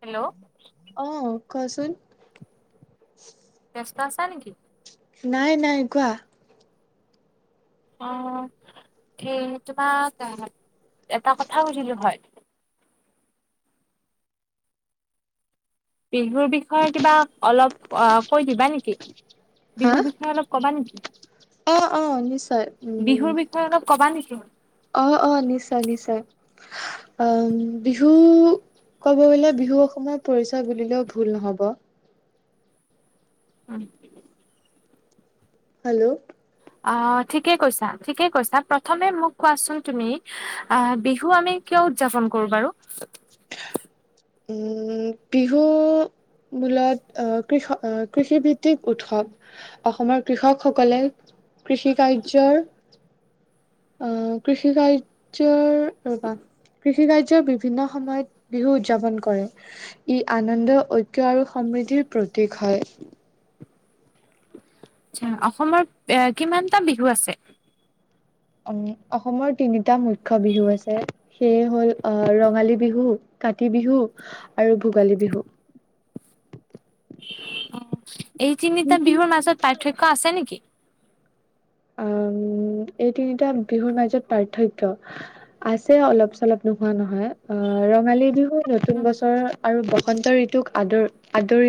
Hello? কচোন? ব্যস্ত আছা নেকি? নাই -নাই কোৱা? অ ', হে তোমাক এটা কথা সুধিলো হয়? বিহুৰ বিষয়ে কিবা অলপ কৈ দিবা নেকি? হা বিহু বিষয় অলপ কবা নেকি? অ নিশ্চয় উ বিহুৰ বিষয়ে অলপ ক'বা নেকি? অ অ নিশ্চয় নিশ্চয়। উ', বিহু কব গলে বিহুয় পৰিচয় বুলিলেও ভুল নহব। উম। হেল্ল' আহ ঠিকেই কৈছা ঠিকে কৈছা প্ৰথমে মোক কোৱাচোন তুমি আহ বিহু আমি কিয় উদযাপন কৰো বাৰু? উম বিহু মূলত আহ কৃষ আহ কৃষিভিত্তিক উৎসৱ অসমৰ কৃষকসকলে কৃষি কাৰ্য্যৰ আহ কৃষি কাৰ্যৰ কৃষি কাৰ্যৰ বিভিন্ন সময়ত বিহু উদযাপন কৰে। ই আনন্দ ঐক্য আৰু সমৃদ্ধিৰ প্ৰতীক হয়। আচ্চা অসমৰ এ কিমানটা বিহু আছে? অসমৰ তিনিটা মুখ্য বিহু আছে, সেয়ে হ'ল ৰঙালী বিহু, কাতি বিহু, আৰু ভোগালী বিহু। অ এই তিনিটা বিহুৰ মাজত পাৰ্থক্য আছে নেকি? উ এই তিনিটা বিহুৰ মাজত পাৰ্থক্য, আছে অলপ চলপ নোহোৱা নহয় আহ ৰঙালী বিহু নতুন উম, বছৰ আৰু বসন্ত ঋতুক আদৰ আদৰ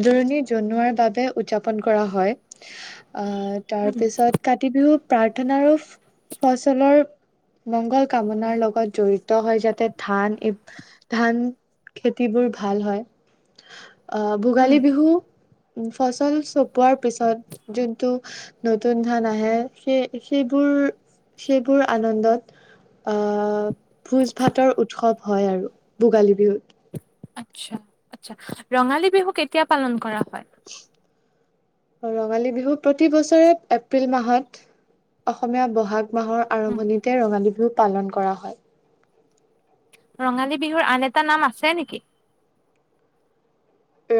আদৰণি জনোৱাৰ বাবে উদযাপন কৰা হয়। আহ উম, তাৰপিছত কাতি বিহুত প্ৰাৰ্থনাৰূপ ফচলৰ মংগল কামনাৰ লগত জড়িত হয় যাতে ধান এই ধান খেতিবোৰ ভাল হয় অহ উম, ভোগালী বিহু উ ফচল চপোৱাৰ পিছত যোনটো নতুন ধান আহে সেই সেইবোৰ সেইবোৰ আনন্দত আহ ভোজ ভাতৰ উৎসৱ হয় আৰু ভোগালী বিহুত। আচ্ছা আচ্ছা ৰঙালী বিহু কেতিয়া পালন কৰা হয়? ৰঙালী বিহু প্ৰতি বছৰে এপ্ৰিল মাহত অসমীয়া বহাগ মাহৰ উম, আৰম্ভণিতে ৰঙালী বিহু পালন কৰা হয়। ৰঙালী বিহুৰ আন এটা নাম আছে নেকি?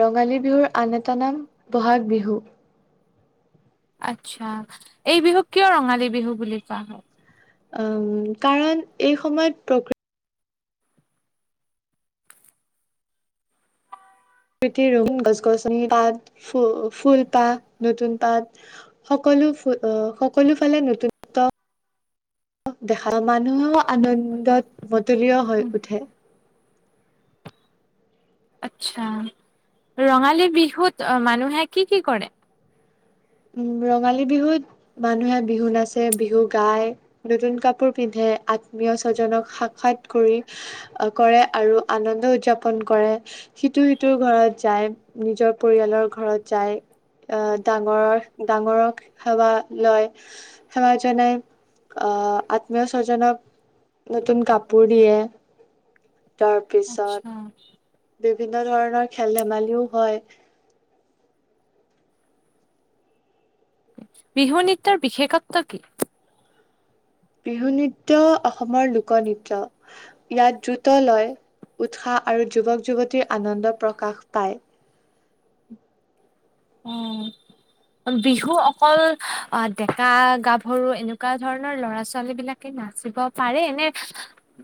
ৰঙালী বিহুৰ আন এটা নাম বহাগ বিহু। আচ্ছা এই বিহুক কিয় ৰঙালী বিহু বুলি কোৱা হয়? উম কাৰণ এই সময়ত প্ৰকৃতি তি আৰু গছ গছনি পাত ফুলপাহ নতুন পাত সকলো ফ আহ সকলো ফালে নতুনত দেখা মানুহেও আনন্দত লিয় হৈ উঠে। আচ্ছা ৰঙালী বিহুত মানুহে কি কি কৰে? উ ৰঙালী বিহুত মানুহে বিহু নাচে, বিহু গায়, নতুন কাপোৰ পিন্ধে, আত্মীয় স্বজনক সাক্ষাৎ কৰি কৰে আৰু আনন্দ উদযাপন কৰে সিটো সিটোৰ ঘৰত যায় নিজৰ পৰিয়ালৰ ঘৰত যায় আহ ডাঙৰৰ ডাঙৰক সেৱা লয় সেৱা জনাই আহ আত্মীয় স্বজনক নতুন কাপোৰ দিয়ে। আচ্ছা তাৰপিছত বিভিন্ন ধৰণৰ খেল ধেমালিও হয়। বিহু নৃত্যৰ বিশেষত্ব কি? বিহু নৃত্য অসমৰ লোকনৃত্য, ইয়াত দ্ৰুত লয় উৎসাহ আৰু যুৱক যুৱতীৰ আনন্দ প্ৰকাশ পায়। অ বিহু অকল আহ ডেকা গাভৰু এনেকুৱা ধৰণৰ লৰা ছোৱালী বিলাকে নাচিব পাৰে নে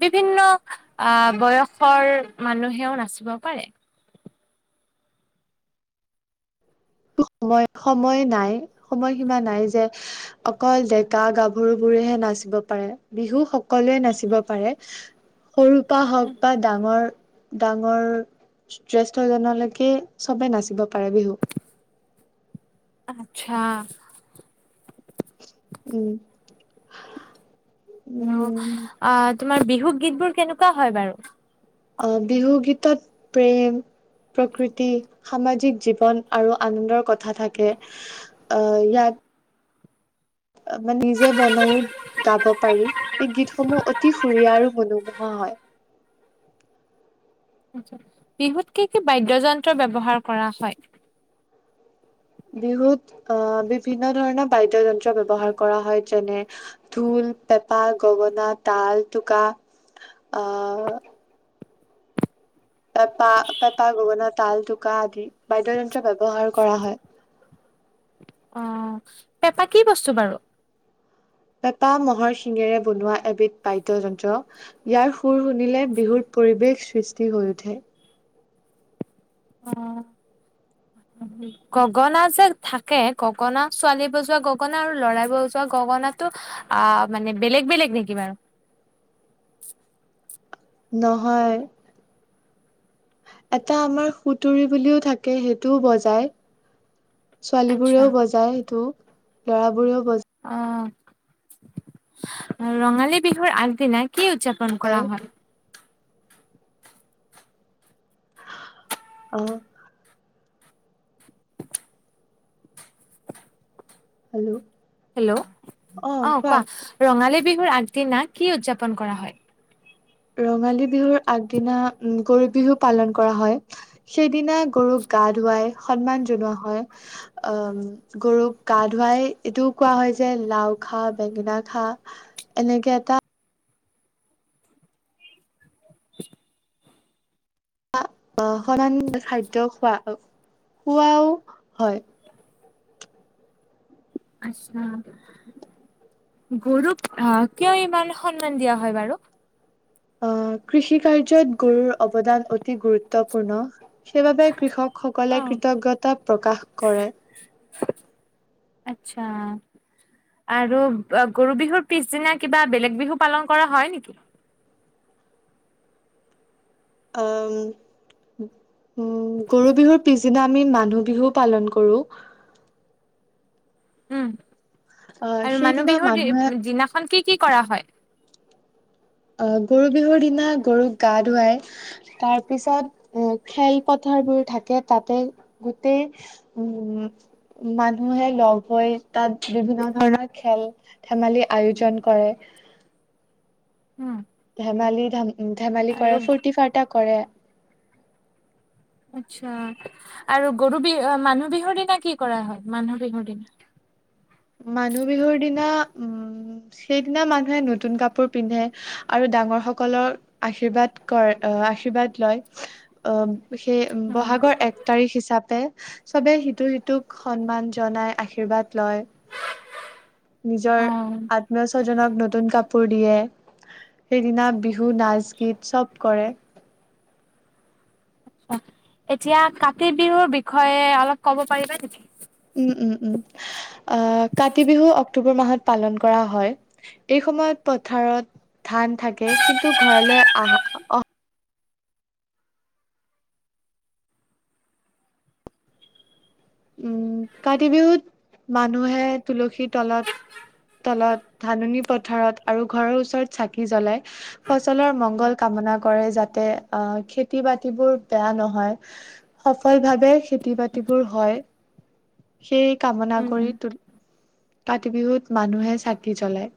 বিভিন্ন আহ বয়সৰ মানুহেও নাচিব পাৰে? সময় সময় নাই সময়সীমা নাই যে অকল ডেকা গাভৰুবোৰেহে নাচিব পাৰে বিহু সকলোৱে নাচিব পাৰে। সৰুৰ পৰা হওক বা ডাঙৰ ডাঙৰ জেষ্ঠ জনলৈকে চবে নাচিব পাৰে বিহু। আচ্ছা উম অহ, উম আ তোমাৰ বিহু গীতবোৰ কেনেকুৱা হয় বাৰু? তাত প্ৰেম, প্ৰকৃতি, সামাজিক জীৱন আৰু আনন্দৰ কথা থাকে। আহ ইয়াত মানে নিজে বনাই গাব পাৰি, এই গীতসমূহ অতি সুৰীয়া আৰু মনোমোহা হয়। বিহুত কি-কি বাদ্যযন্ত্ৰ ব্যৱহাৰ কৰা হয়? বিহুত আহ বিভিন্ন ধৰণৰ বাদ্যযন্ত্ৰ ব্যৱহাৰ কৰা হয় যেনে ঢোল, পেঁপা, গগনা, তাল, টোকা, আহ পেপা-পেঁপা, গগনা, তাল, টোকা আদি বাদ্যযন্ত্ৰ ব্যৱহাৰ কৰা হয়। অ পেঁপা কি বস্তু বাৰু? পেঁপা মহৰ শিঙেৰে বনোৱা এবিধ বাদ্যযন্ত্ৰ ইয়াৰ শুৰ শুনিলে বিহুৰ পৰিৱেশ সৃষ্টি হৈ উঠে। অ গগনা যে থাকে গগনা ছোৱালী বজোৱা গগনা আৰু লৰাই বজোৱা গগনাটো আহ মানে বেলেগ-বেলেগ নেকি বাৰু? নহয়। এটা আমাৰ সুতুলি বুলিও থাকে সেইটোও বজায়। আচ্ছা ছোৱালীবোৰেও বজায় এইটো লৰাবোৰেও বজাই। অ ৰঙালী বিহুৰ আগদিনা কি উদযাপন বজায় কৰা হয়? অহ হেল্ল'? হেল্ল'? অ কোৱা? ৰঙালী বিহুৰ আগদিনা কি উদযাপন কৰা হয়? ৰঙালী বিহুৰ আগদিনা উম গৰু বিহু পালন কৰা হয়। সেইদিনা গৰুক গা ধুৱাই সন্মান জনোৱা হয়, আম গৰুক গা ধুৱাই এইটোও কোৱা হয় যে লাও খা, বেঙেনা খা এনেকে এটা [inaudible] আহ সমান খাদ্য খোৱা খোৱাও হয়। আছা গৰুক আহ কিয় ইমান সন্মান দিয়া হয় বাৰু? আহ কৃষি কাৰ্যত গৰুৰ অৱদান অতি গুৰুত্বপূৰ্ণ। সেইবাবে কৃষকসকলে অ', কৃতজ্ঞতা প্ৰকাশ কৰে। আটচ্ছা আৰু গৰু বিহুৰ পিছদিনা কিবা বেলেগ বিহু পালন কৰা হয় নেকি? উ গৰু বিহুৰ পিছদিনা আমি মানুহ বিহু পালন কৰোঁ। উম আহ আৰু মানুহ সেইদিনা মানুহে বিহুৰ দিনাখন কি কি কৰা হয়? গৰু বিহুৰ দিনা গৰুক গা ধুৱাই তাৰ পিছত খেল পথাৰবোৰ থাকে তাতে গোটেই উম মানুহে লগ হৈ তাত বিভিন্ন ধৰণৰ খেল ধেমালি আয়োজন কৰে। উম ধেমালি ধাম ধেমালি কৰা আৰু ফুৰৰ্তি-ফাৰটা কৰে। আচ্ছা আৰু গৰু বিহু মানুহ বিহুৰ দিনা কি কৰা হয় মানুহ বিহুৰ দিনা? মানুহ বিহুৰ দিনা উম সেইদিনা মানুহে নতুন কাপোৰ পিন্ধে আৰু ডাঙৰ সকলৰ আশীৰ্বাদ কৰে আহ আশীৰ্বাদ লয় আহ- সেই অ', বহাগৰ এক তাৰিখ হিচাপ টে চবে সিটো সিটোক সন্মান জনাই আশীৰ্বাদ লয় নিজৰ অ', আত্মীয় স্বজনক নতুন কাপোৰ দিয়ে সেইদিনা বিহু নাচ গীত চব কৰে। এতিয়া কাতি বিহুৰ বিষয়ে অলপ ক'ব পাৰিবা নেকি? উম উম উম আহ কাতি বিহু অক্টোবৰ মাহত পালন কৰা হয়। এই সময়ত পথাৰত ধান থাকে কিন্তু ঘৰলৈ আহা আহা উম কাতি বিহুত মানুহে তুলসীৰ তলত তলত ধাননি পথাৰত আৰু ঘৰৰ ওচৰত চাকি জ্বলাই ফচলৰ মংগল কামনা কৰে। যাতে আহ খেতি বাতিবোৰ বেয়া নহয় সফল ভাৱে খেতি বাতিবোৰ হয়। সেই কামনা কৰি উম, ত কাতি বিহুত মানুহে চাকি জ্বলায়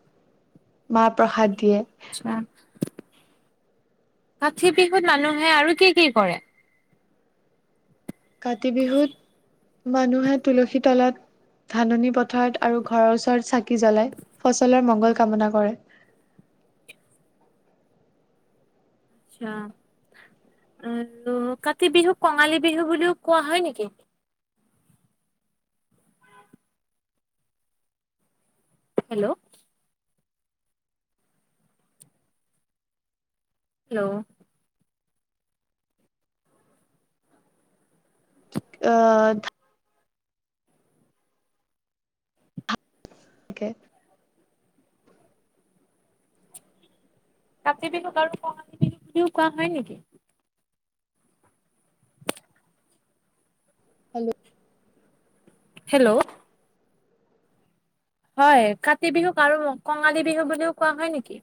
মাহ প্ৰসাদ দিয়ে। আচছা কাতি বিহুত মানুহে আৰু কি কি কৰে? কাতি বিহুত মানুহে তুলসী তলত ধাননি পথাৰত আৰু ঘৰৰ ওচৰত চাকি জ্বলাই ফচলৰ মঙংগল কামনা কৰে। আছা আৰু কাতি বিহুক কঙালী বিহু বুলিওঁ কোৱা হয় নেকি? হেল্ল' হেল্ল' অহ তাকে কাতি বিহুক আৰু কঙালী বিহু বুলিওঁ কোৱা হয় নেকি? হেল্ল হেল্ল' হয় কাতি বিহুক আৰু কঙালী বিহু বুলিও কোৱা হয় নেকি?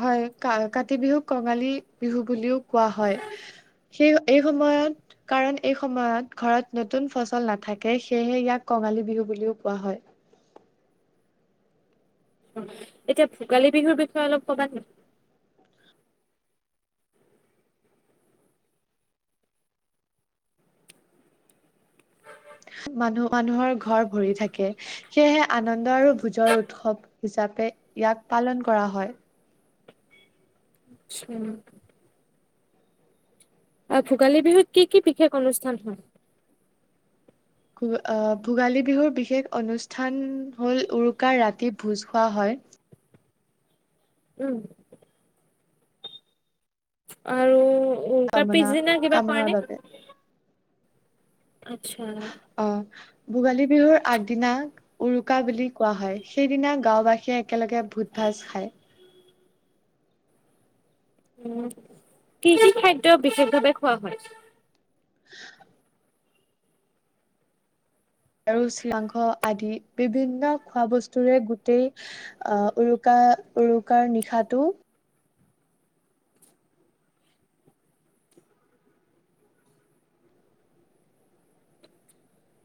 হয় কা কাতি বিহুক কঙালী বিহু বুলিও কোৱা হয় সেই এই সময়ত কাৰণ এই সময়ত ঘৰত নতুন ফচল নাথাকে সেয়েহে ইয়াক কঙালী বিহু বুলিওঁ কোৱা হয়। অ এতিয়া ভোগালী বিহুৰ বিষয়ে অলপ কবা নেকি? মানুহৰ ঘৰ ভৰি থাকে সেয়েহে আনন্দ আৰু ভোজৰ উৎসৱ হিচাপে ইয়াক পালন কৰা হয়। উম ভোগালী বিহুত কি কি বিশেষ অনুষ্ঠান হয়? অহ ভোগালী বিহুৰ বিশেষ অনুষ্ঠান হ'ল উৰুকাৰ ৰাতি ভোজ খোৱা হয়। উম আৰু তাৰ কামনা পিছদিনা কিবা কৰা কামনাৰ নে? বাবে আচ্ছা অ'। ভোগালী বিহুৰ আগদিনা উৰুকা বুলি কোৱা হয় সেইদিনা গাঁওবাসীয়ে একেলগে ভূজ ভাত খায়। উ কি কি খাদ্য বিশেষভাৱে খোৱা হয়? [unintelligible] আৰু চিৰাংস আদি বিভিন্ন খোৱা বস্তুৰে গোটেই আহ উৰুকা উৰুকাৰ নিশাটো।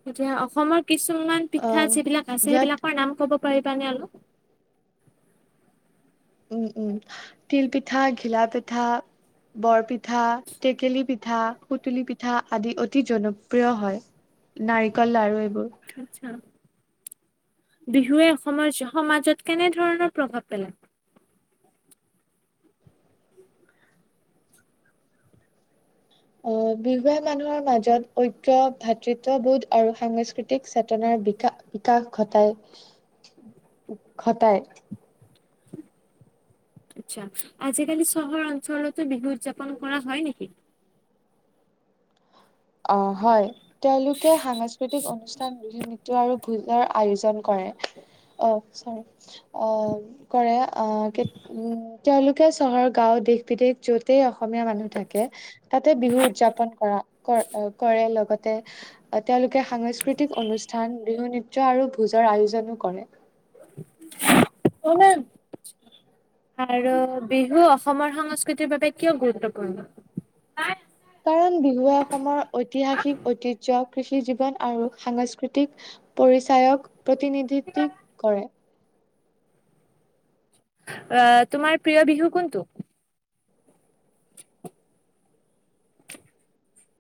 এতিয়া অসমত কিছুমান পিঠা আহ যিবিলাক আছে ইয়াত সেইবিলাকৰ নাম ক'ব। পাৰিবা নে অলপ উম উম তিল পিঠা, ঘিলা পিঠা, বৰপিঠা, টেকেলি পিঠা, সুতুলি পিঠা আদি অতি জনপ্ৰিয় হয় নাৰিকল লাৰু এইবোৰ। আচ্ছা বিহুৱে অসমৰ সমাজত কেনেধৰণৰ প্ৰভাৱ পেলায়? আহ বিহুৱা মানুহৰ মাজত ঐক্য ভাতৃত্ববোধ আৰু সাংস্কৃতিক চেতনাৰ বিকা বিকাশ ঘটায় ঘটায় আচ্ছা আজিকালি চহৰ অঞ্চলতো বিহু উদযাপন কৰা হয় নেকি আহ হয় তেওঁলোকে সাংস্কৃতিক অনুষ্ঠান বিহু নৃট্য আৰু ভোজৰ আয়োজন কৰে আহ চ আহ কৰে আহ উ তেওঁলোকে চহৰ গাও দেশ বিদেশ যতেই অসমীয়া মানুহ থাকে তাতে বিহু উদযাপন কৰা অ কয় কৰে লগত তেওঁলোকে সাংস্কৃতিক অনুষ্ঠান বিহু নৃট্য আৰু ভোজৰ আয়োজনো কৰে আৰু বিহু অসমৰ সংস্কৃতিৰ বাবে কিয় গুৰুত্বপূৰ্ণ কাৰণ বিহুৱে অসমৰ ঐতিহাসিক ঐতিহ্য কৃষি জীৱী জন আৰু সাংস্কৃতিক পৰিচায়ক প্ৰতিনিধিত্বীক কৰে আহ তোমাৰ প্ৰিয় বিহু কোনটো